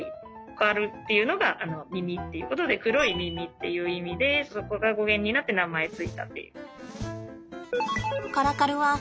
カルっていうのが耳っていうことで黒い耳っていう意味でそこが語源になって名前付いたっていう。